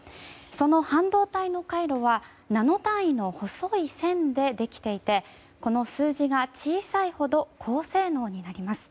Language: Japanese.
その半導体の回路はナノ単位の細い線でできていてこの数字が小さいほど高性能になります。